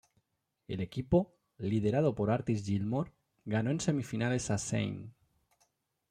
El equipo, liderado por Artis Gilmore, ganó en semifinales a St.